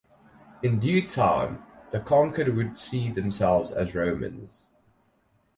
In due time, the conquered would see themselves as Romans.